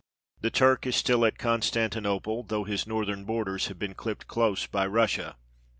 The Turk is still at Constantinople, though his northern borders have been clipped close by Russia (p.